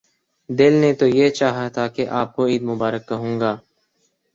دل نے تو یہ چاہا تھا کہ آپ کو عید مبارک کہوں گا۔